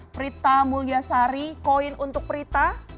prita mulyasari koin untuk prita